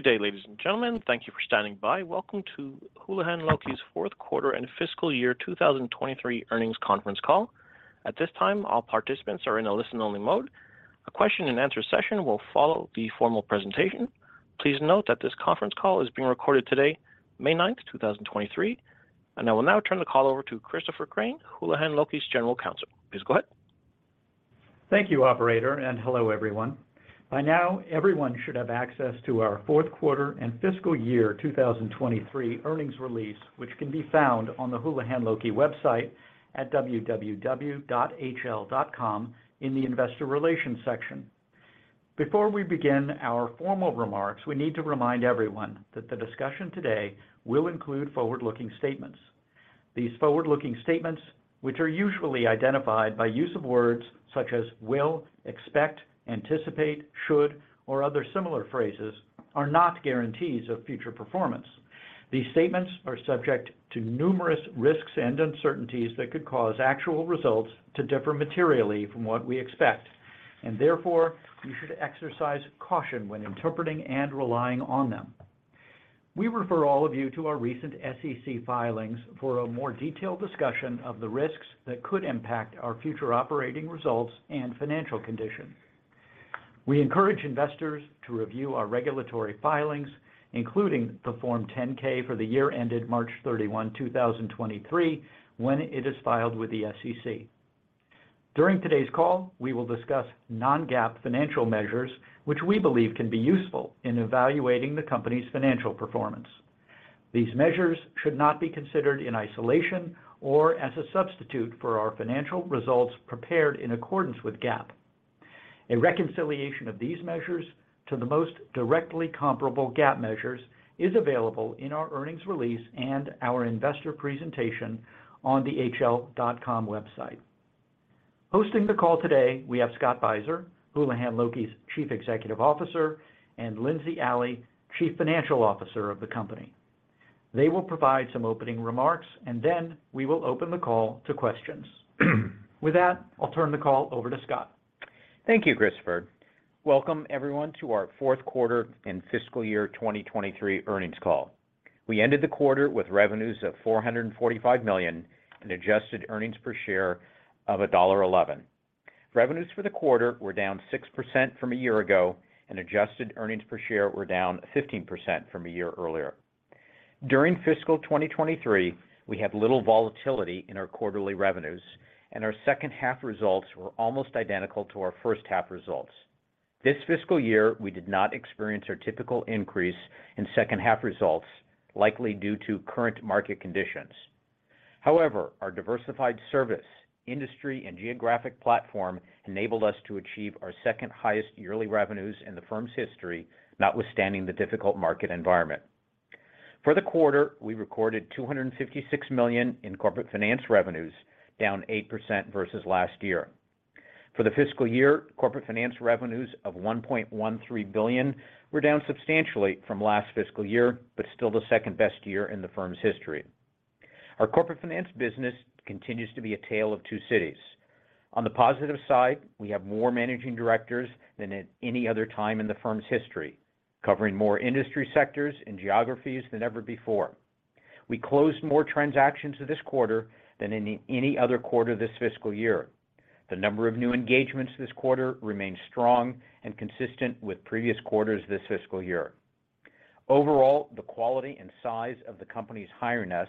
Good day, ladies and gentlemen. Thank you for standing by. Welcome to Houlihan Lokey's fourth quarter and fiscal year 2023 earnings conference call. At this time, all participants are in a listen-only mode. A question and answer session will follow the formal presentation. Please note that this conference call is being recorded today, May 9, 2023, and I will now turn the call over to Christopher Crain, Houlihan Lokey's General Counsel. Please go ahead. Thank you, operator, and hello, everyone. By now, everyone should have access to our fourth quarter and fiscal year 2023 earnings release, which can be found on the Houlihan Lokey website at www.hl.com in the Investor Relations section. Before we begin our formal remarks, we need to remind everyone that the discussion today will include forward-looking statements. These forward-looking statements, which are usually identified by use of words such as will, expect, anticipate, should, or other similar phrases, are not guarantees of future performance. These statements are subject to numerous risks and uncertainties that could cause actual results to differ materially from what we expect, and therefore you should exercise caution when interpreting and relying on them. We refer all of you to our recent SEC filings for a more detailed discussion of the risks that could impact our future operating results and financial condition. We encourage investors to review our regulatory filings, including the Form 10-K for the year ended March 31, 2023, when it is filed with the SEC. During today's call, we will discuss non-GAAP financial measures which we believe can be useful in evaluating the company's financial performance. These measures should not be considered in isolation or as a substitute for our financial results prepared in accordance with GAAP. A reconciliation of these measures to the most directly comparable GAAP measures is available in our earnings release and our investor presentation on the hl.com website. Hosting the call today we have Scott Beiser, Houlihan Lokey's Chief Executive Officer, and Lindsey Alley, Chief Financial Officer of the company. They will provide some opening remarks, and then we will open the call to questions. With that, I'll turn the call over to Scott. Thank you, Christopher. Welcome everyone to our fourth quarter and fiscal year 2023 earnings call. We ended the quarter with revenues of $445 million and adjusted earnings per share of $1.11. Revenues for the quarter were down 6% from a year ago, and adjusted earnings per share were down 15% from a year earlier. During fiscal 2023, we had little volatility in our quarterly revenues, and our second half results were almost identical to our first half results. This fiscal year, we did not experience our typical increase in second half results, likely due to current market conditions. However, our diversified service industry and geographic platform enabled us to achieve our second highest yearly revenues in the firm's history, notwithstanding the difficult market environment. For the quarter, we recorded $256 million in corporate finance revenues, down 8% versus last year. For the fiscal year, corporate finance revenues of $1.13 billion were down substantially from last fiscal year, but still the second-best year in the firm's history. Our corporate finance business continues to be a tale of two cities. On the positive side, we have more managing directors than at any other time in the firm's history, covering more industry sectors and geographies than ever before. We closed more transactions this quarter than any other quarter this fiscal year. The number of new engagements this quarter remains strong and consistent with previous quarters this fiscal year. Overall, the quality and size of the company's hire pipeline,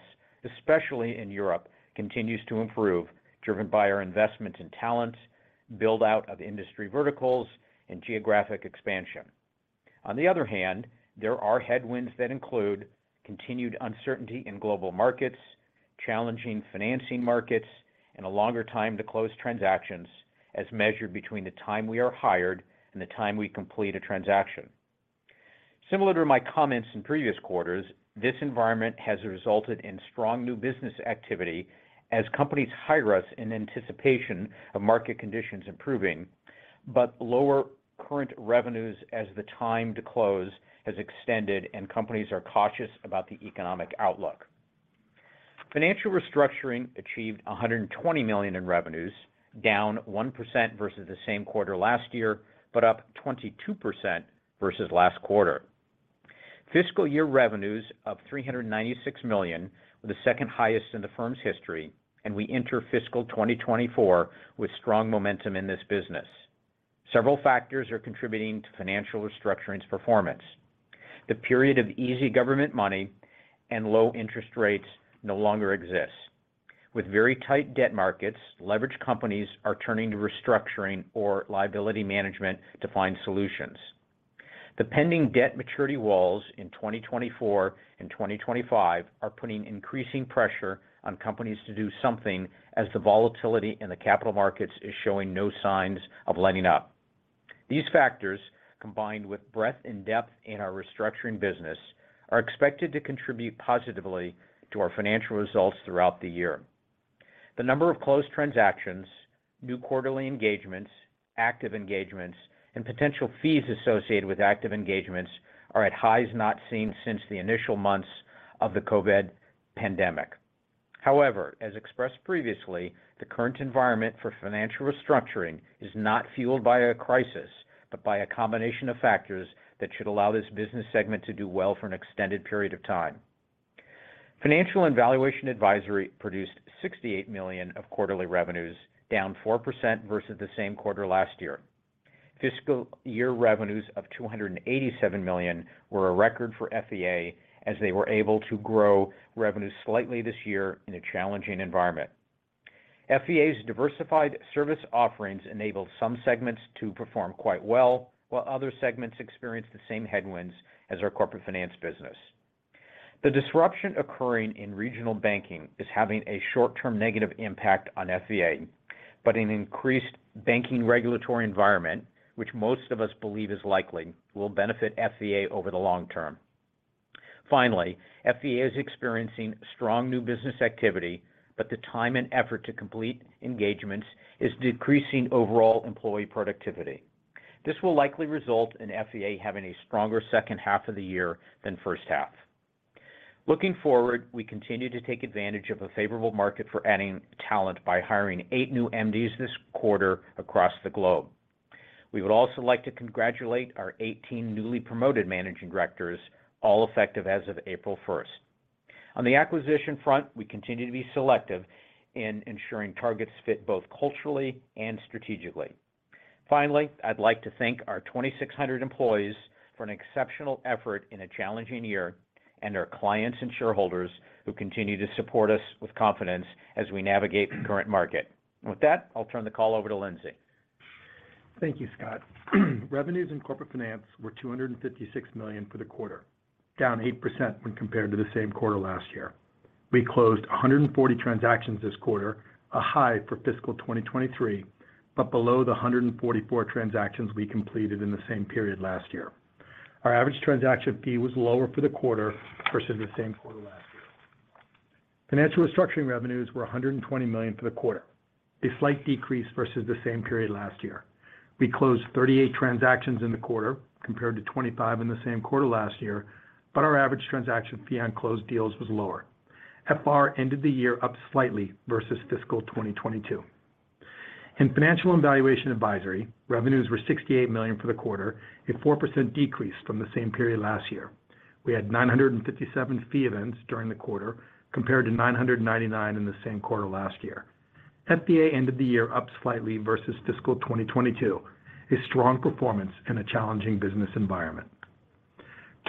especially in Europe, continues to improve, driven by our investment in talent, build-out of industry verticals and geographic expansion. There are headwinds that include continued uncertainty in global markets, challenging financing markets, and a longer time to close transactions as measured between the time we are hired and the time we complete a transaction. Similar to my comments in previous quarters, this environment has resulted in strong new business activity as companies hire us in anticipation of market conditions improving but lower current revenues as the time to close has extended and companies are cautious about the economic outlook. Financial Restructuring achieved $120 million in revenues, down 1% versus the same quarter last year, but up 22% versus last quarter. Fiscal year revenues of $396 million were the second highest in the firm's history, and we enter fiscal 2024 with strong momentum in this business. Several factors are contributing to Financial Restructuring's performance. The period of easy government money and low interest rates no longer exists. With very tight debt markets, leveraged companies are turning to restructuring or liability management to find solutions. The pending debt maturity walls in 2024 and 2025 are putting increasing pressure on companies to do something as the volatility in the capital markets is showing no signs of letting up. These factors, combined with breadth and depth in our restructuring business, are expected to contribute positively to our financial results throughout the year. The number of closed transactions, new quarterly engagements, active engagements and potential fees associated with active engagements are at highs not seen since the initial months of the COVID pandemic. However, as expressed previously, the current environment for financial restructuring is not fueled by a crisis, but by a combination of factors that should allow this business segment to do well for an extended period of time. Financial and Valuation Advisory produced $68 million of quarterly revenues, down 4% versus the same quarter last year. Fiscal year revenues of $287 million were a record for FVA as they were able to grow revenues slightly this year in a challenging environment. FVA's diversified service offerings enabled some segments to perform quite well, while other segments experienced the same headwinds as our corporate finance business. The disruption occurring in regional banking is having a short-term negative impact on FVA, but an increased banking regulatory environment, which most of us believe is likely, will benefit FVA over the long term. FVA is experiencing strong new business activity, but the time and effort to complete engagements is decreasing overall employee productivity. This will likely result in FVA having a stronger second half of the year than first half. Looking forward, we continue to take advantage of a favorable market for adding talent by hiring eight new MDs this quarter across the globe. We would also like to congratulate our 18 newly promoted managing directors, all effective as of April 1st. On the acquisition front, we continue to be selective in ensuring targets fit both culturally and strategically. Finally, I'd like to thank our 2,600 employees for an exceptional effort in a challenging year and our clients and shareholders who continue to support us with confidence as we navigate the current market. With that, I'll turn the call over to Lindsey. Thank you, Scott. Revenues in corporate finance were $256 million for the quarter, down 8% when compared to the same quarter last year. We closed 140 transactions this quarter, a high for fiscal 2023, but below the 144 transactions we completed in the same period last year. Our average transaction fee was lower for the quarter versus the same quarter last year. Financial restructuring revenues were $120 million for the quarter, a slight decrease versus the same period last year. We closed 38 transactions in the quarter, compared to 25 in the same quarter last year, but our average transaction fee on closed deals was lower. FR ended the year up slightly versus fiscal 2022. In Financial and Valuation Advisory, revenues were $68 million for the quarter, a 4% decrease from the same period last year. We had 957 fee events during the quarter, compared to 999 in the same quarter last year. FVA ended the year up slightly versus fiscal 2022, a strong performance in a challenging business environment.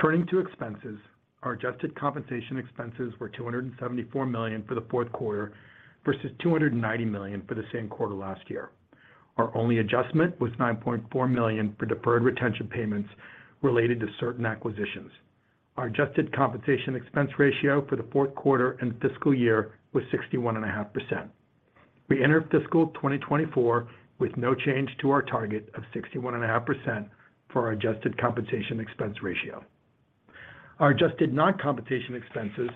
Turning to expenses, our adjusted compensation expenses were $274 million for the fourth quarter versus $290 million for the same quarter last year. Our only adjustment was $9.4 million for deferred retention payments related to certain acquisitions. Our adjusted compensation expense ratio for the fourth quarter and fiscal year was 61.5%. We enter fiscal 2024 with no change to our target of 61.5% for our adjusted compensation expense ratio. Our adjusted non-compensation expenses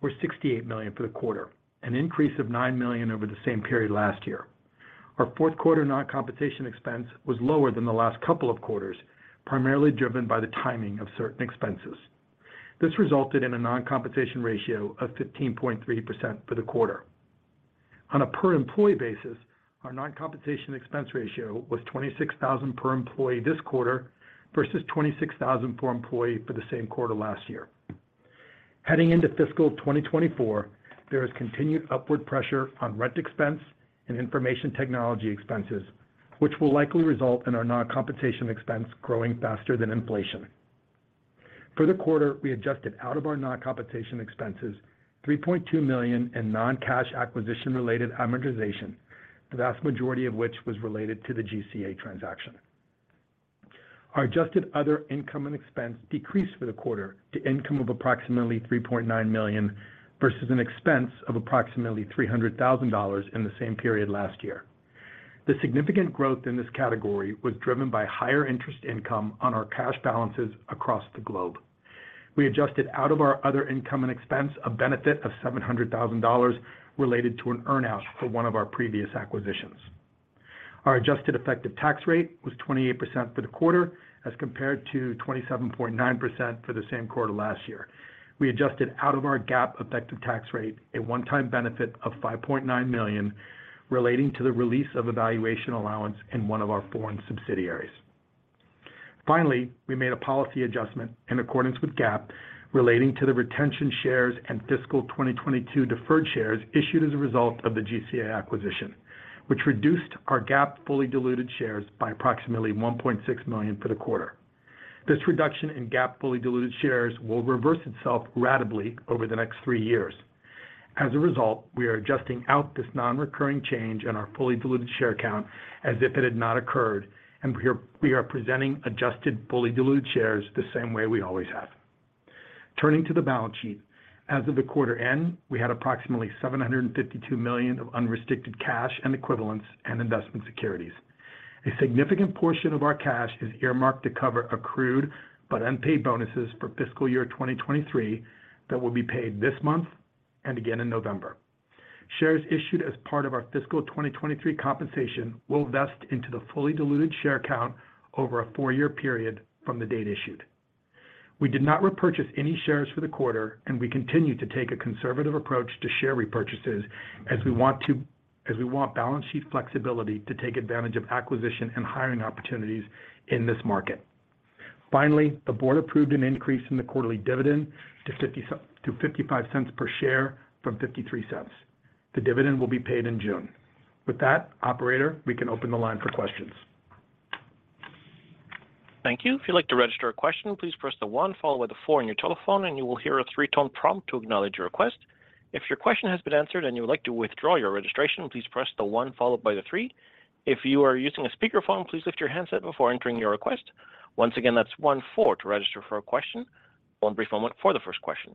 were $68 million for the quarter, an increase of $9 million over the same period last year. Our fourth quarter non-compensation expense was lower than the last couple of quarters, primarily driven by the timing of certain expenses. This resulted in a non-compensation ratio of 15.3% for the quarter. On a per employee basis, our non-compensation expense ratio was $26,000 per employee this quarter versus $26,000 per employee for the same quarter last year. Heading into fiscal 2024, there is continued upward pressure on rent expense and information technology expenses, which will likely result in our non-compensation expense growing faster than inflation. For the quarter, we adjusted out of our non-compensation expenses $3.2 million in non-cash acquisition related amortization, the vast majority of which was related to the GCA transaction. Our adjusted other income and expense decreased for the quarter to income of approximately $3.9 million versus an expense of approximately $300,000 in the same period last year. The significant growth in this category was driven by higher interest income on our cash balances across the globe. We adjusted out of our other income and expense a benefit of $700,000 related to an earn-out for one of our previous acquisitions. Our adjusted effective tax rate was 28% for the quarter as compared to 27.9% for the same quarter last year. We adjusted out of our GAAP effective tax rate a one-time benefit of $5.9 million relating to the release of a valuation allowance in one of our foreign subsidiaries. Finally, we made a policy adjustment in accordance with GAAP relating to the retention shares and fiscal 2022 deferred shares issued as a result of the GCA acquisition, which reduced our GAAP fully diluted shares by approximately 1.6 million for the quarter. This reduction in GAAP fully diluted shares will reverse itself ratably over the next three years. As a result, we are adjusting out this non-recurring change in our fully diluted share count as if it had not occurred, and we are presenting adjusted fully diluted shares the same way we always have. Turning to the balance sheet, as of the quarter end, we had approximately $752 million of unrestricted cash and equivalents and investment securities. A significant portion of our cash is earmarked to cover accrued but unpaid bonuses for fiscal year 2023 that will be paid this month and again in November. Shares issued as part of our fiscal 2023 compensation will vest into the fully diluted share count over a four-year period from the date issued. We did not repurchase any shares for the quarter, and we continue to take a conservative approach to share repurchases as we want balance sheet flexibility to take advantage of acquisition and hiring opportunities in this market. Finally, the board approved an increase in the quarterly dividend to $0.55 per share from $0.53. The dividend will be paid in June. With that, operator, we can open the line for questions. Thank you. If you'd like to register a question, please press the 1 followed by the 4 on your telephone, you will hear a 3-tone prompt to acknowledge your request. If your question has been answered and you would like to withdraw your registration, please press the 1 followed by the 3. If you are using a speakerphone, please lift your handset before entering your request. Once again, that's 1-4 to register for a question. 1 brief moment for the first question.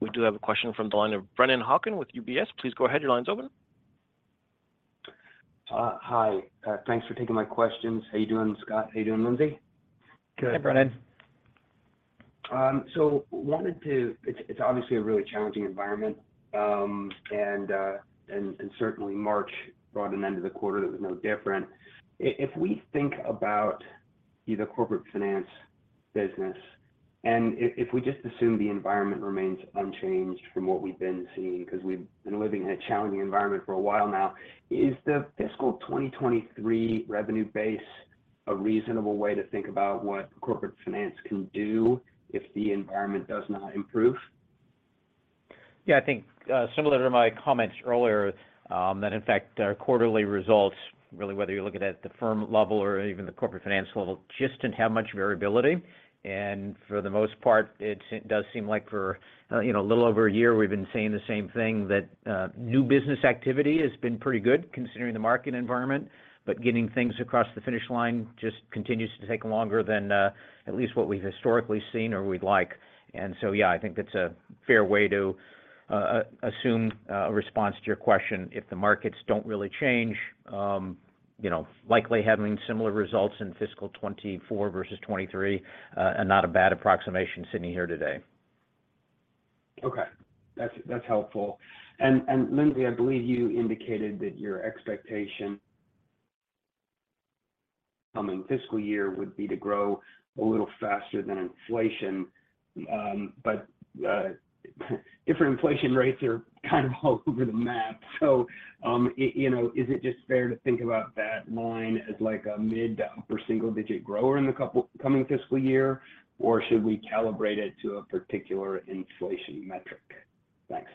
We do have a question from the line of Brennan Hawken with UBS. Please go ahead. Your line's open. Hi. Thanks for taking my questions. How you doing, Scott? How you doing, Lindsey? Good. Hey, Brennan. Wanted to... It's obviously a really challenging environment, and certainly March brought an end to the quarter that was no different. If we think about either corporate finance business and if we just assume the environment remains unchanged from what we've been seeing, 'cause we've been living in a challenging environment for a while now, is the fiscal 2023 revenue base a reasonable way to think about what corporate finance can do if the environment does not improve? Yeah, I think, similar to my comments earlier, that in fact our quarterly results, really whether you're looking at the firm level or even the corporate finance level, just didn't have much variability. For the most part, it does seem like for, you know, a little over a year we've been saying the same thing, that new business activity has been pretty good considering the market environment. Getting things across the finish line just continues to take longer than, at least what we've historically seen or we'd like. Yeah, I think that's a fair way to assume a response to your question. If the markets don't really change, you know, likely having similar results in fiscal 2024 versus 2023, are not a bad approximation sitting here today. Okay. That's, that's helpful. Lindsey, I believe you indicated that your expectation coming fiscal year would be to grow a little faster than inflation. Different inflation rates are kind of all over the map. You know, is it just fair to think about that line as like a mid to upper single digit grower in the coming fiscal year, or should we calibrate it to a particular inflation metric? Thanks.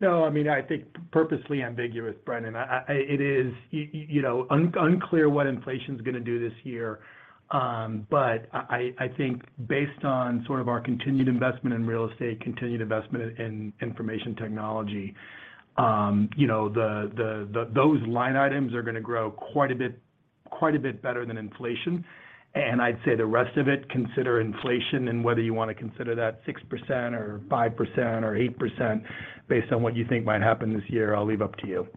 No, I mean, I think purposely ambiguous, Brennan. It is you know, unclear what inflation's gonna do this year. But I think based on sort of our continued investment in real estate, continued investment in information technology, you know, those line items are gonna grow quite a bit better than inflation. I'd say the rest of it, consider inflation and whether you want to consider that 6% or 5% or 8% based on what you think might happen this year, I'll leave up to you.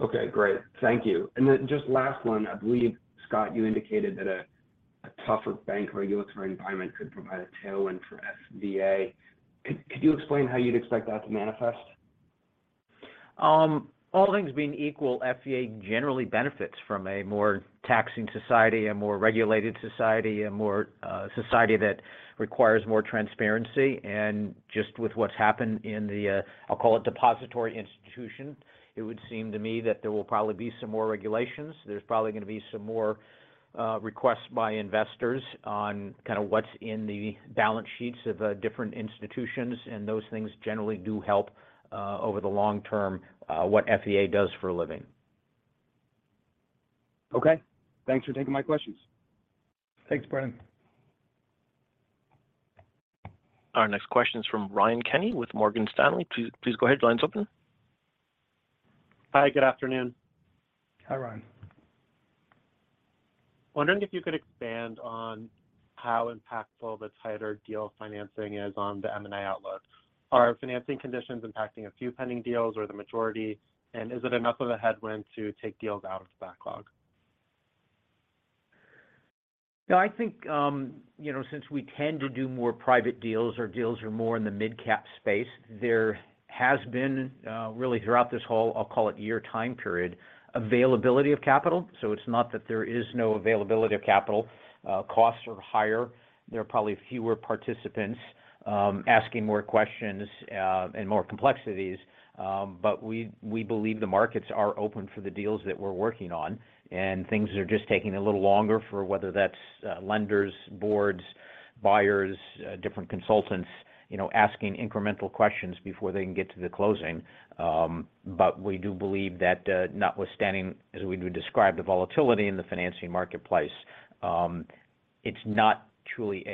Okay. Great. Thank you. Just last one. I believe, Scott, you indicated that a tougher bank regulatory environment could provide a tailwind for FVA. Could you explain how you'd expect that to manifest? All things being equal, FVA generally benefits from a more taxing society, a more regulated society, a more society that requires more transparency. Just with what's happened in the, I'll call it depository institution, it would seem to me that there will probably be some more regulations. There's probably gonna be some more requests by investors on kinda what's in the balance sheets of different institutions. Those things generally do help over the long term what FVA does for a living. Okay. Thanks for taking my questions. Thanks, Brennan. Our next question is from Ryan Kenny with Morgan Stanley. Please go ahead. Line's open. Hi. Good afternoon. Hi, Ryan. Wondering if you could expand on how impactful the tighter deal financing is on the M&A outlook? Are financing conditions impacting a few pending deals or the majority? Is it enough of a headwind to take deals out of the backlog? I think, you know, since we tend to do more private deals or deals are more in the mid-cap space, there has been really throughout this whole, I'll call it year time period, availability of capital. It's not that there is no availability of capital. Costs are higher. There are probably fewer participants, asking more questions, and more complexities. We, we believe the markets are open for the deals that we're working on, and things are just taking a little longer for whether that's lenders, boards, buyers, different consultants, you know, asking incremental questions before they can get to the closing. We do believe that, notwithstanding, as we described, the volatility in the financing marketplace, it's not truly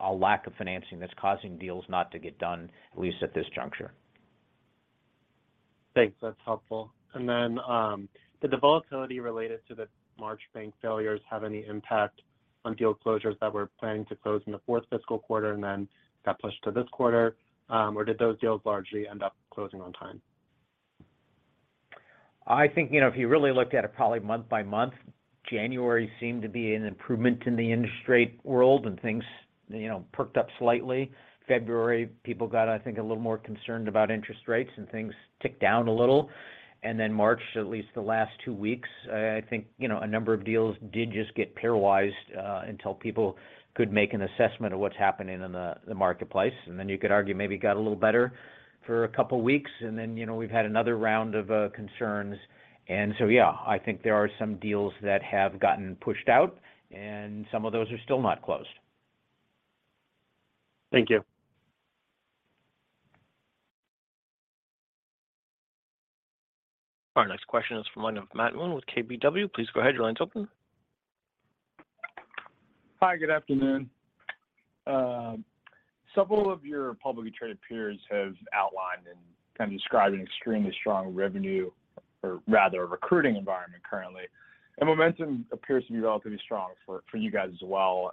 a lack of financing that's causing deals not to get done, at least at this juncture. Thanks. That's helpful. Did the volatility related to the March bank failures have any impact on deal closures that were planning to close in the fourth fiscal quarter and then got pushed to this quarter, or did those deals largely end up closing on time? I think, you know, if you really looked at it probably month by month, January seemed to be an improvement in the industry world, and things. You know, perked up slightly. February, people got, I think, a little more concerned about interest rates and things ticked down a little. March, at least the last two weeks, I think, you know, a number of deals did just get paralyzed until people could make an assessment of what's happening in the marketplace. You could argue maybe it got a little better for a couple of weeks and then, you know, we've had another round of concerns. Yeah, I think there are some deals that have gotten pushed out, and some of those are still not closed. Thank you. Our next question is from one of Matthew Moon with KBW. Please go ahead, your line is open. Hi, good afternoon. Several of your publicly traded peers have outlined and kind of described an extremely strong revenue or rather a recruiting environment currently. Momentum appears to be relatively strong for you guys as well.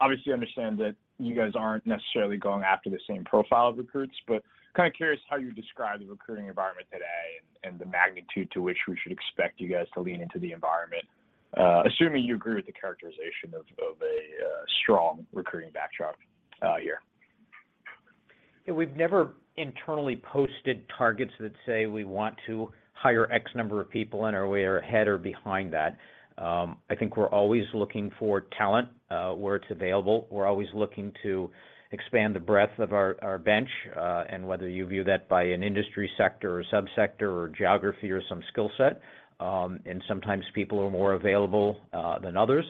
Obviously I understand that you guys aren't necessarily going after the same profile of recruits, but kind of curious how you describe the recruiting environment today and the magnitude to which we should expect you guys to lean into the environment, assuming you agree with the characterization of a strong recruiting backdrop year. Yeah. We've never internally posted targets that say we want to hire X number of people and are we are ahead or behind that. I think we're always looking for talent where it's available. We're always looking to expand the breadth of our bench, and whether you view that by an industry sector or subsector or geography or some skill set, and sometimes people are more available than others.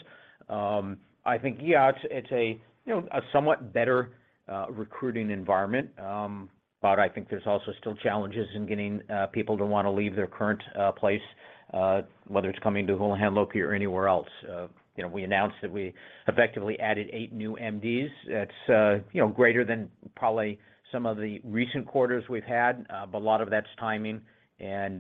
I think, yeah, it's a, you know, a somewhat better recruiting environment. I think there's also still challenges in getting people to wanna leave their current place, whether it's coming to Houlihan Lokey or anywhere else. You know, we announced that we effectively added eight new MDs. That's, you know, greater than probably some of the recent quarters we've had, but a lot of that's timing. You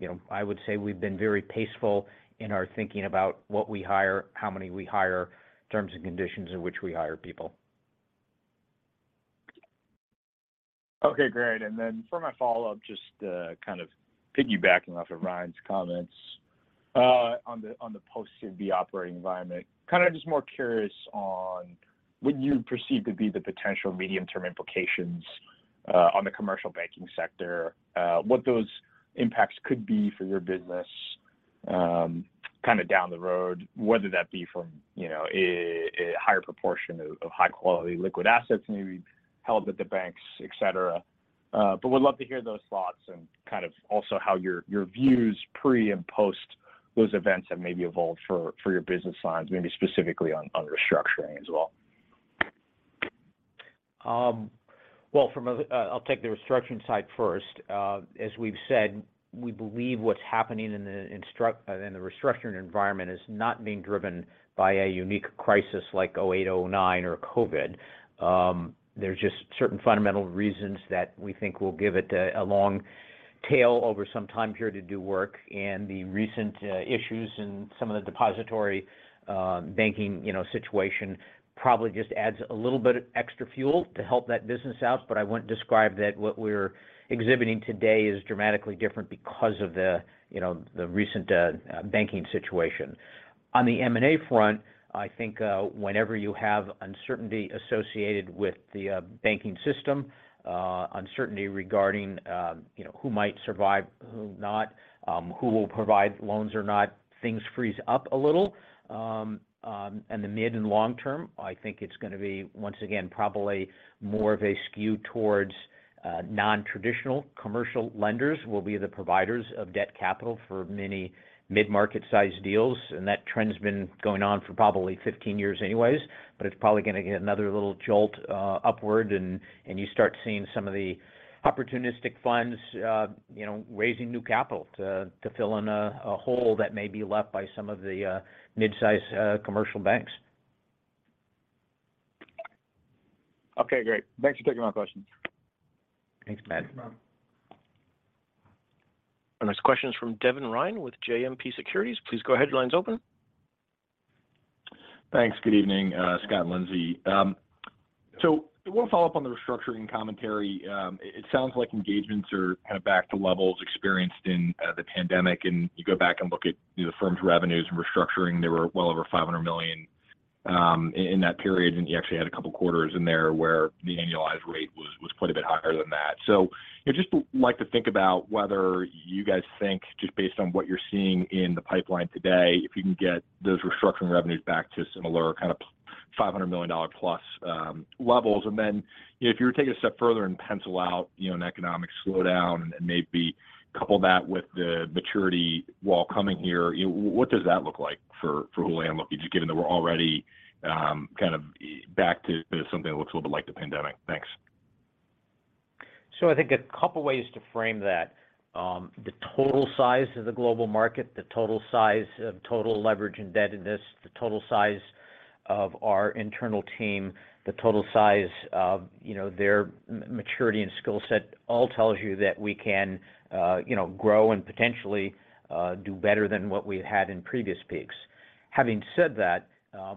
know, I would say we've been very peaceful in our thinking about what we hire, how many we hire, terms and conditions in which we hire people. Okay, great. For my follow-up, just to kind of piggybacking off of Ryan's comments, on the post-COVID operating environment, kind of just more curious on would you perceive to be the potential medium-term implications, on the commercial banking sector, what those impacts could be for your business, kind of down the road, whether that be from, you know, a higher proportion of high quality liquid assets maybe held at the banks, et cetera. Would love to hear those thoughts and kind of also how your views pre and post those events have maybe evolved for your business lines, maybe specifically on restructuring as well. Well from a... I'll take the restructuring side first. As we've said, we believe what's happening in the restructuring environment is not being driven by a unique crisis like 2008, 2009 or COVID. There's just certain fundamental reasons that we think will give it a long tail over some time period to do work, and the recent issues and some of the depository, banking, you know, situation probably just adds a little bit of extra fuel to help that business out. I wouldn't describe that what we're exhibiting today is dramatically different because of the, you know, the recent, banking situation. On the M&A front, I think, whenever you have uncertainty associated with the banking system, uncertainty regarding, you know, who might survive, who not, who will provide loans or not, things freeze up a little. And the mid and long term, I think it's gonna be, once again, probably more of a skew towards, non-traditional commercial lenders will be the providers of debt capital for many mid-market sized deals. That trend's been going on for probably 15 years anyways, but it's probably gonna get another little jolt, upward and you start seeing some of the opportunistic funds, you know, raising new capital to fill in a hole that may be left by some of the midsize commercial banks. Okay, great. Thanks for taking my question. Thanks, Matt. Thanks, Matt. Our next question is from Devin Ryan with JMP Securities. Please go ahead, your line's open. Thanks. Good evening, Scott Beiser, Lindsey Alley. I wanna follow up on the restructuring commentary. It sounds like engagements are kind of back to levels experienced in the pandemic. You go back and look at the firm's revenues and restructuring, they were well over $500 million in that period, and you actually had a couple of quarters in there where the annualized rate was quite a bit higher than that. Just like to think about whether you guys think, just based on what you're seeing in the pipeline today, if you can get those restructuring revenues back to similar kind of $500 million+ levels? If you were take a step further and pencil out, you know, an economic slowdown and maybe couple that with the maturity wall coming here, you know, what does that look like for Houlihan Lokey, just given that we're already, kind of back to something that looks a little like the pandemic? Thanks. I think a couple of ways to frame that. The total size of the global market, the total size of total leverage indebtedness, the total size of our internal team, the total size of, you know, their maturity and skill set all tells you that we can, you know, grow and potentially do better than what we had in previous peaks. Having said that,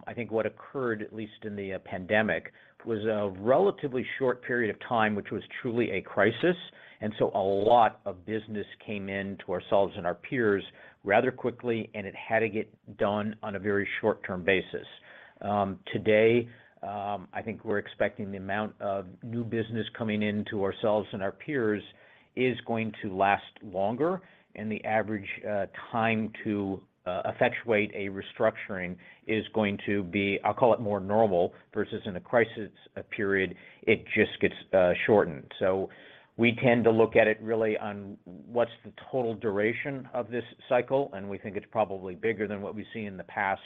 I think what occurred, at least in the pandemic. It was a relatively short period of time, which was truly a crisis, and so a lot of business came in to ourselves and our peers rather quickly, and it had to get done on a very short-term basis. Today, I think we're expecting the amount of new business coming into ourselves and our peers is going to last longer, and the average time to effectuate a restructuring is going to be... I'll call it more normal versus in a crisis period, it just gets shortened. We tend to look at it really on what's the total duration of this cycle, and we think it's probably bigger than what we've seen in the past,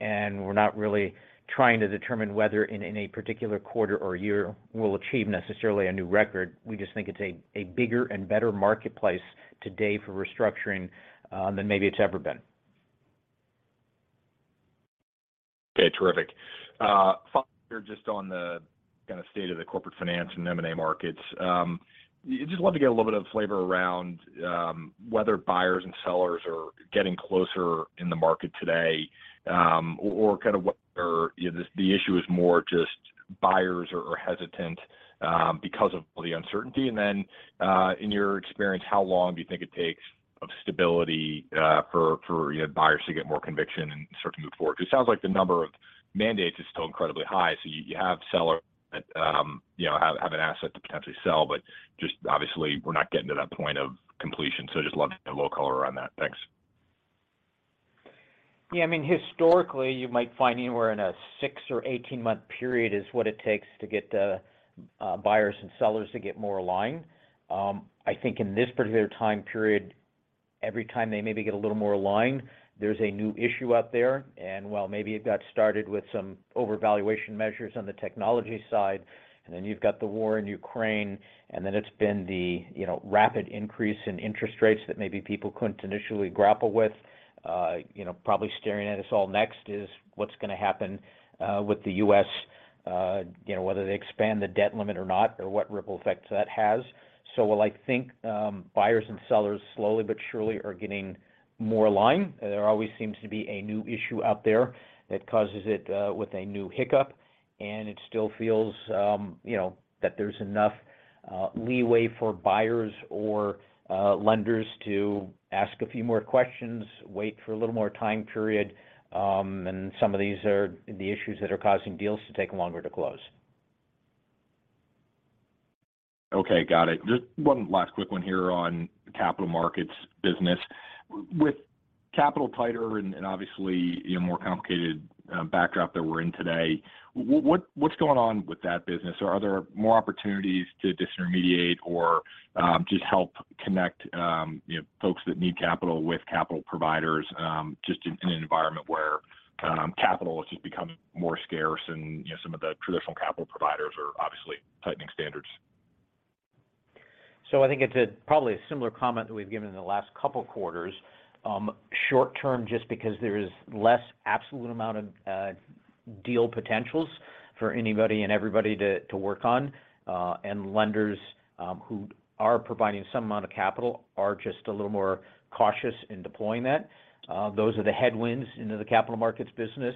and we're not really trying to determine whether in a particular quarter or year we'll achieve necessarily a new record. We just think it's a bigger and better marketplace today for restructuring than maybe it's ever been. Okay. Terrific. Follow-up here just on the kind of state of the corporate finance and M&A markets. Yeah, just love to get a little bit of flavor around whether buyers and sellers are getting closer in the market today, or if the issue is more just buyers are hesitant because of all the uncertainty. In your experience, how long do you think it takes of stability for, you know, buyers to get more conviction and start to move forward? It sounds like the number of mandates is still incredibly high, you have seller that, you know, have an asset to potentially sell, but just obviously we're not getting to that point of completion. Just love to get a little color around that. Thanks. Yeah. I mean, historically, you might find anywhere in a six or 18-month period is what it takes to get the buyers and sellers to get more aligned. I think in this particular time period, every time they maybe get a little more aligned, there's a new issue out there, and while maybe it got started with some overvaluation measures on the technology side, and then you've got the war in Ukraine, and then it's been the, you know, rapid increase in interest rates that maybe people couldn't initially grapple with. You know, probably staring at us all next is what's gonna happen with the U.S., you know, whether they expand the debt limit or not or what ripple effects that has. While I think, buyers and sellers slowly but surely are getting more aligned, there always seems to be a new issue out there that causes it, with a new hiccup, and it still feels, you know, that there's enough leeway for buyers or lenders to ask a few more questions, wait for a little more time period, and some of these are the issues that are causing deals to take longer to close. Okay. Got it. Just one last quick one here on capital markets business. With capital tighter and obviously a more complicated backdrop that we're in today, what's going on with that business? Are there more opportunities to disintermediate or just help connect, you know, folks that need capital with capital providers, just in an environment where capital has just become more scarce and, you know, some of the traditional capital providers are obviously tightening standards? I think it's a probably a similar comment that we've given in the last couple quarters. Short term, just because there is less absolute amount of deal potentials for anybody and everybody to work on, and lenders who are providing some amount of capital are just a little more cautious in deploying that. Those are the headwinds into the capital markets business.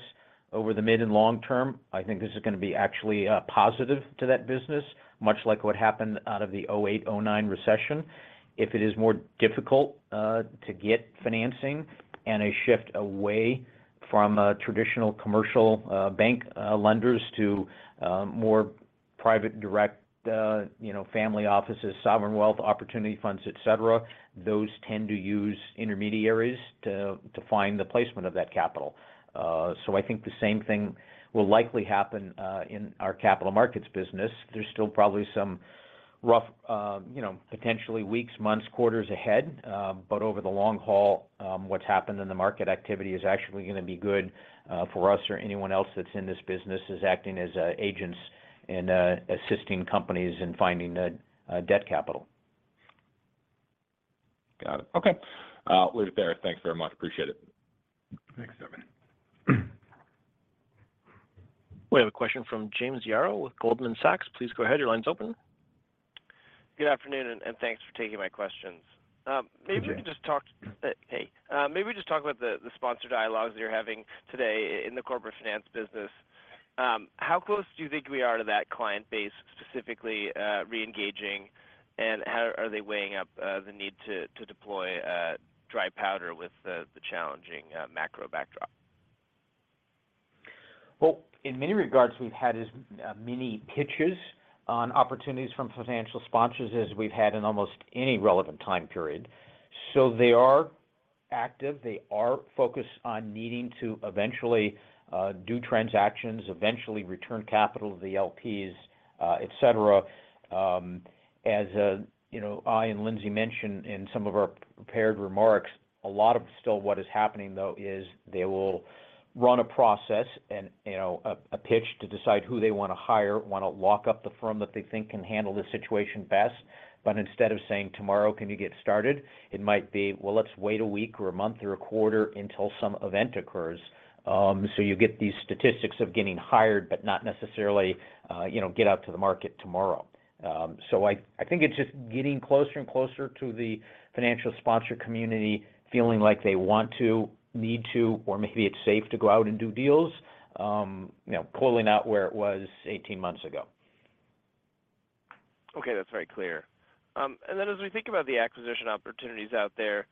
Over the mid and long term, I think this is gonna be actually positive to that business, much like what happened out of the 2008, 2009 recession. If it is more difficult to get financing and a shift away from traditional commercial bank lenders to more private direct, you know, family offices, sovereign wealth, opportunity funds, et cetera, those tend to use intermediaries to find the placement of that capital. I think the same thing will likely happen in our capital markets business. There's still probably some rough, you know, potentially weeks, months, quarters ahead. Over the long haul, what's happened in the market activity is actually gonna be good for us or anyone else that's in this business as acting as agents in assisting companies in finding debt capital. Got it. Okay. We'll leave it there. Thanks very much. Appreciate it. Thanks, Devin. We have a question from James Yaro with Goldman Sachs. Please go ahead. Your line's open. Good afternoon, and thanks for taking my questions. Good afternoon. Hey. Maybe just talk about the sponsor dialogues that you're having today in the corporate finance business. How close do you think we are to that client base specifically, reengaging, and how are they weighing up the need to deploy dry powder with the challenging macro backdrop? Well, in many regards, we've had as many pitches on opportunities from financial sponsors as we've had in almost any relevant time period. They are active. They are focused on needing to eventually do transactions, eventually return capital to the LPs, et cetera. As, you know, I and Lindsey mentioned in some of our prepared remarks, a lot of still what is happening, though, is they will run a process and, you know, a pitch to decide who they wanna hire, wanna lock up the firm that they think can handle the situation best, instead of saying, "Tomorrow, can you get started?" It might be, "Well, let's wait a week or a month or a quarter until some event occurs." You get these statistics of getting hired but not necessarily, you know, get out to the market tomorrow. I think it's just getting closer and closer to the financial sponsor community feeling like they want to, need to, or maybe it's safe to go out and do deals, you know, pulling out where it was 18 months ago. Okay, that's very clear. Then as we think about the acquisition opportunities out there,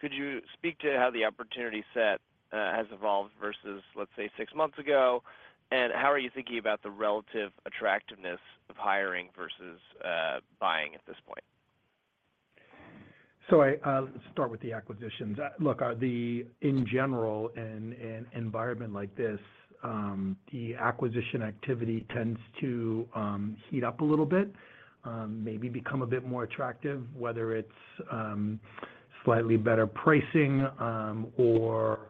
could you speak to how the opportunity set has evolved versus, let's say, 6 months ago? How are you thinking about the relative attractiveness of hiring versus buying at this point? Let's start with the acquisitions. Look, in general, in an environment like this, the acquisition activity tends to heat up a little bit, maybe become a bit more attractive, whether it's slightly better pricing, or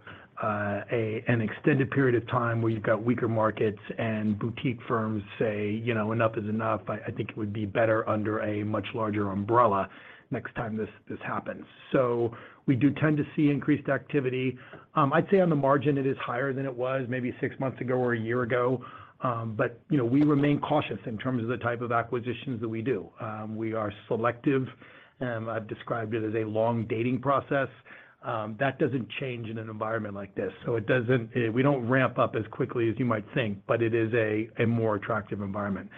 an extended period of time where you've got weaker markets and boutique firms say, "You know, enough is enough. I think it would be better under a much larger umbrella next time this happens." We do tend to see increased activity. I'd say on the margin, it is higher than it was maybe six months ago or a year ago. You know, we remain cautious in terms of the type of acquisitions that we do. We are selective. I've described it as a long dating process. That doesn't change in an environment like this. We don't ramp up as quickly as you might think, but it is a more attractive environment.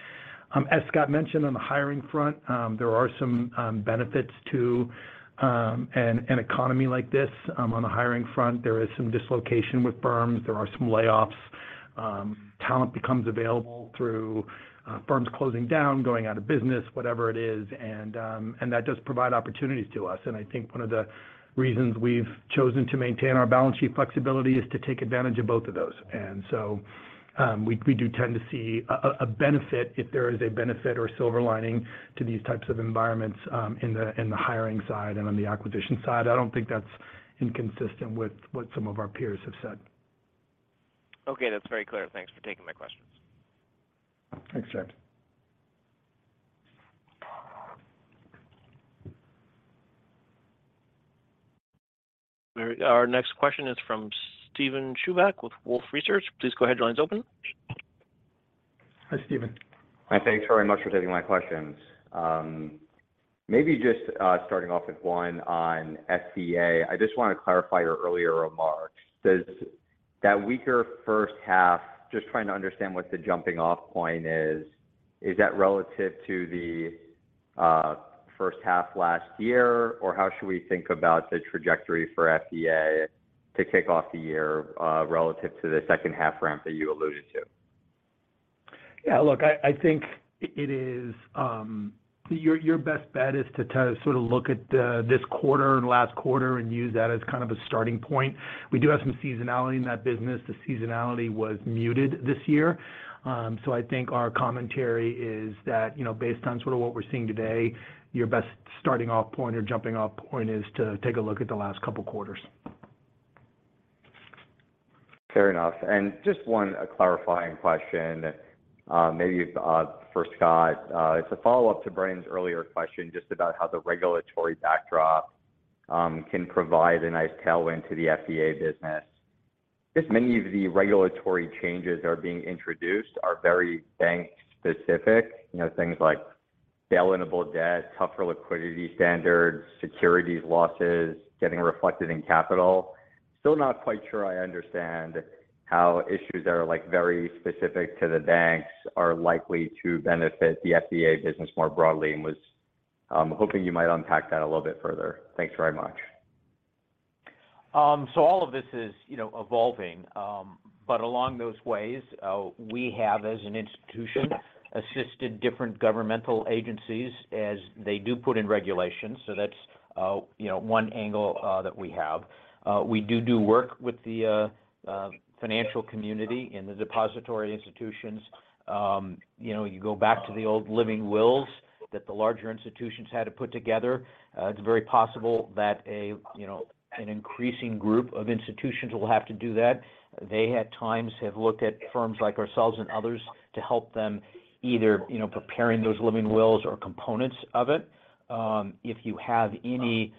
As Scott mentioned on the hiring front, there are some benefits to an economy like this. On the hiring front, there is some dislocation with firms. There are some layoffs. Talent becomes available through firms closing down, going out of business, whatever it is. That does provide opportunities to us. I think one of the reasons we've chosen to maintain our balance sheet flexibility is to take advantage of both of those. We do tend to see a benefit if there is a benefit or silver lining to these types of environments, in the hiring side and on the acquisition side. I don't think that's inconsistent with what some of our peers have said. Okay, that's very clear. Thanks for taking my questions. Thanks, Jack. Our next question is from Steven Chubak with Wolfe Research. Please go ahead. Your line's open. Hi, Steven. Thanks very much for taking my questions. Maybe just starting off with one on FVA. I just want to clarify your earlier remarks. Does that weaker first half? Just trying to understand what the jumping off point is. Is that relative to the first half last year, or how should we think about the trajectory for FVA to kick off the year relative to the second half ramp that you alluded to? Yeah, look, I think it is. Your best bet is to sort of look at this quarter and last quarter and use that as kind of a starting point. We do have some seasonality in that business. The seasonality was muted this year. I think our commentary is that, you know, based on sort of what we're seeing today, your best starting off point or jumping off point is to take a look at the last couple quarters. Fair enough. Just one clarifying question, maybe for Scott. It's a follow-up to Brian's earlier question just about how the regulatory backdrop can provide a nice tailwind to the FVA business. Just many of the regulatory changes that are being introduced are very bank specific. You know, things like bail-inable debt, tougher liquidity standards, securities losses getting reflected in capital. Still not quite sure I understand how issues that are like very specific to the banks are likely to benefit the FVA business more broadly and was hoping you might unpack that a little bit further. Thanks very much. All of this is, you know, evolving. Along those ways, we have as an institution assisted different governmental agencies as they do put in regulations. That's, you know, one angle that we have. We do work with the financial community in the depository institutions. You know, you go back to the old living wills that the larger institutions had to put together. It's very possible that a, you know, an increasing group of institutions will have to do that. They at times have looked at firms like ourselves and others to help them either, you know, preparing those living wills or components of it. If you have any,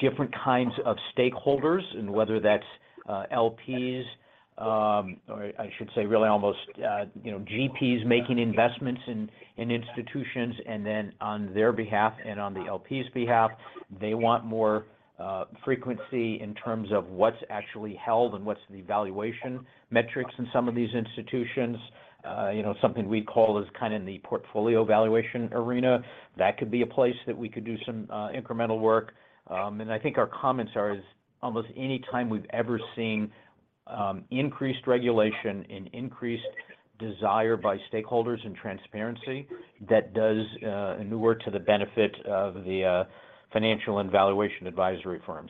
different kinds of stakeholders, and whether that's LPs, or I should say really almost, you know, GPs making investments in institutions, and then on their behalf and on the LPs behalf, they want more, frequency in terms of what's actually held and what's the valuation metrics in some of these institutions. You know, something we call as kind of the portfolio valuation arena. That could be a place that we could do some, incremental work. I think our comments are, is almost any time we've ever seen, increased regulation and increased desire by stakeholders and transparency, that does, inure to the benefit of the, financial and valuation advisory firms.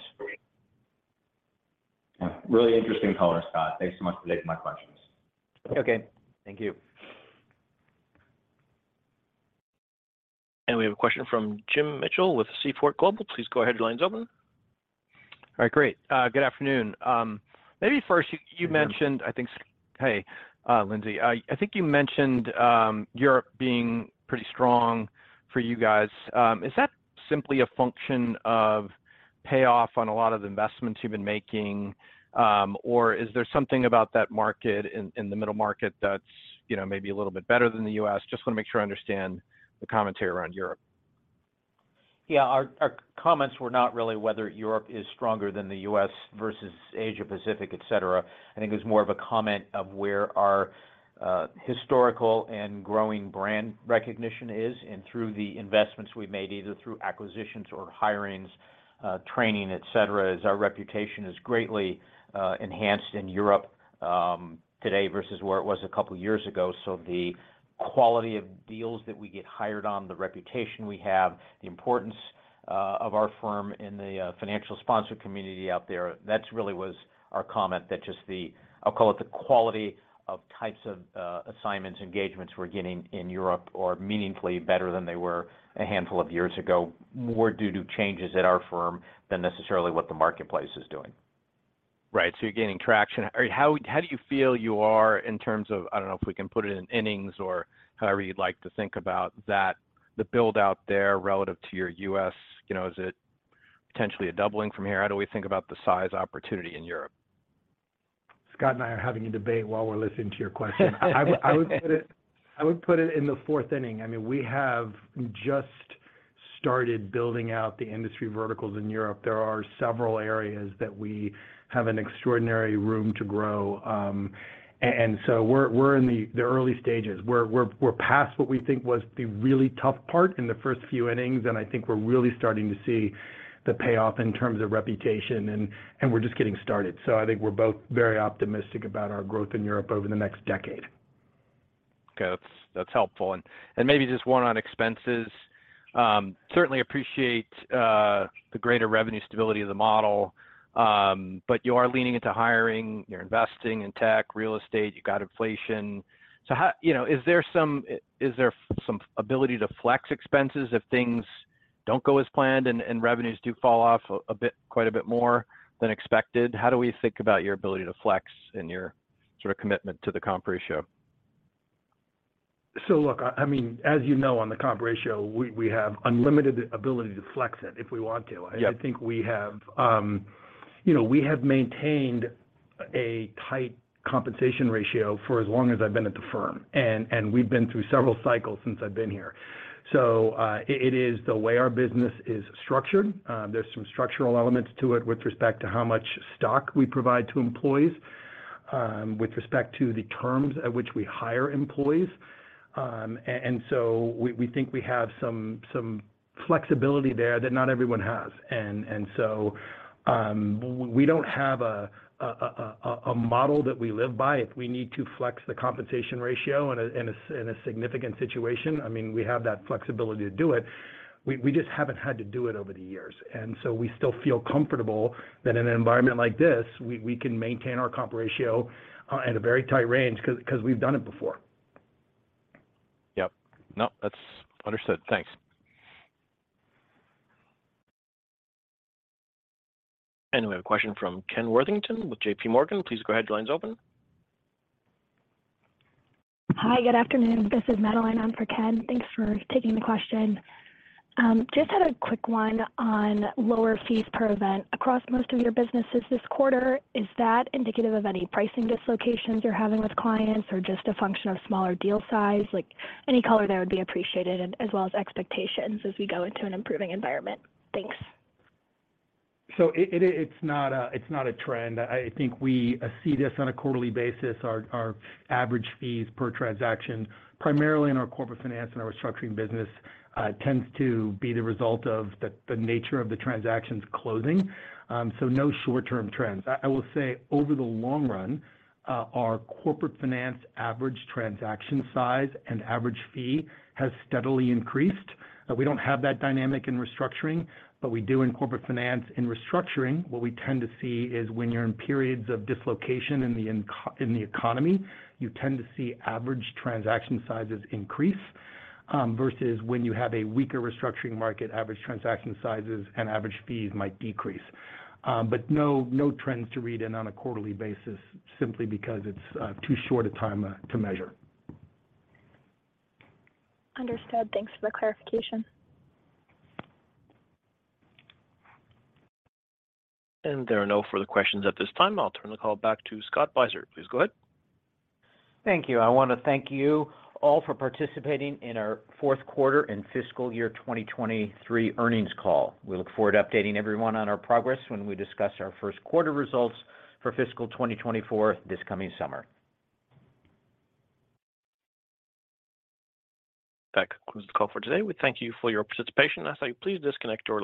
Yeah. Really interesting color, Scott. Thanks so much for taking my questions. Okay. Thank you. We have a question from Jim Mitchell with Seaport Global. Please go ahead. Your line's open. All right, great. Good afternoon. Maybe first you mentioned, Hey, Lindsey. I think you mentioned Europe being pretty strong for you guys. Is that simply a function of payoff on a lot of investments you've been making, or is there something about that market in the middle market that's, you know, maybe a little bit better than the US? Just wanna make sure I understand the commentary around Europe. Yeah, our comments were not really whether Europe is stronger than the U.S. versus Asia-Pacific, et cetera. I think it was more of a comment of where our historical and growing brand recognition is and through the investments we made, either through acquisitions or hirings, training, et cetera, is our reputation is greatly enhanced in Europe today versus where it was a couple years ago. The quality of deals that we get hired on, the reputation we have, the importance of our firm in the financial sponsor community out there, that's really was our comment that just the I'll call it the quality of types of assignments, engagements we're getting in Europe are meaningfully better than they were a handful of years ago, more due to changes at our firm than necessarily what the marketplace is doing. Right. You're gaining traction. I mean, how do you feel you are in terms of, I don't know if we can put it in innings or however you'd like to think about that, the build-out there relative to your U.S., you know, is it potentially a doubling from here? How do we think about the size opportunity in Europe? Scott and I are having a debate while we're listening to your question. I would put it in the fourth inning. I mean, we have just started building out the industry verticals in Europe. There are several areas that we have an extraordinary room to grow. We're in the early stages. We're past what we think was the really tough part in the first few innings, and I think we're really starting to see the payoff in terms of reputation and we're just getting started. I think we're both very optimistic about our growth in Europe over the next decade. Okay. That's, that's helpful. Maybe just one on expenses. Certainly appreciate the greater revenue stability of the model. You are leaning into hiring, you're investing in tech, real estate, you've got inflation. How, you know, is there some ability to flex expenses if things don't go as planned and revenues do fall off a bit, quite a bit more than expected? How do we think about your ability to flex and your sort of commitment to the comp ratio? Look, I mean, as you know, on the comp ratio, we have unlimited ability to flex it if we want to. Yep. I think we have, you know, we have maintained a tight compensation ratio for as long as I've been at the firm, and we've been through several cycles since I've been here. It is the way our business is structured. There's some structural elements to it with respect to how much stock we provide to employees, with respect to the terms at which we hire employees. We think we have some flexibility there that not everyone has. We don't have a model that we live by. If we need to flex the compensation ratio in a significant situation, I mean, we have that flexibility to do it. We just haven't had to do it over the years. We still feel comfortable that in an environment like this, we can maintain our comp ratio at a very tight range cause we've done it before. Yep. No, that's understood. Thanks. We have a question from Ken Worthington with JPMorgan. Please go ahead. Your line's open. Hi, good afternoon. This is Madeline on for Ken. Thanks for taking the question. Just had a quick one on lower fees per event. Across most of your businesses this quarter, is that indicative of any pricing dislocations you're having with clients or just a function of smaller deal size? Like, any color there would be appreciated and as well as expectations as we go into an improving environment. Thanks. It's not a, it's not a trend. I think we see this on a quarterly basis. Our, our average fees per transaction, primarily in our corporate finance and our restructuring business, tends to be the result of the nature of the transactions closing. No short-term trends. I will say over the long run, our corporate finance average transaction size and average fee has steadily increased. We don't have that dynamic in restructuring, but we do in corporate finance and restructuring. What we tend to see is when you're in periods of dislocation in the economy, you tend to see average transaction sizes increase, versus when you have a weaker restructuring market, average transaction sizes and average fees might decrease. No, no trends to read in on a quarterly basis simply because it's too short a time to measure. Understood. Thanks for the clarification. There are no further questions at this time. I'll turn the call back to Scott Beiser. Please go ahead. Thank you. I wanna thank you all for participating in our fourth quarter and fiscal year 2023 earnings call. We look forward to updating everyone on our progress when we discuss our first quarter results for fiscal 2024 this coming summer. That concludes the call for today. We thank you for your participation. I thank you. Please disconnect your-